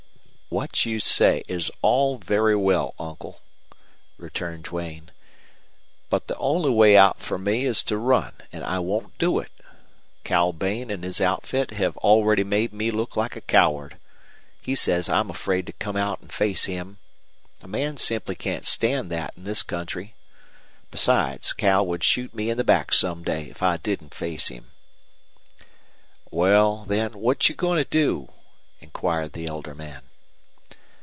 "What you say is all very well, uncle," returned Duane, "but the only way out for me is to run, and I won't do it. Cal Bain and his outfit have already made me look like a coward. He says I'm afraid to come out and face him. A man simply can't stand that in this country. Besides, Cal would shoot me in the back some day if I didn't face him." "Well, then, what're you goin' to do?" inquired the elder man.